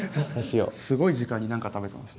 すごい時間に何か食べてますね。